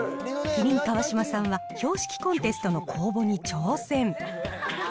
麒麟・川島さんは標識コンテストの公募に挑戦。